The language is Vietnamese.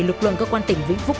lực lượng cơ quan tỉnh vĩnh phúc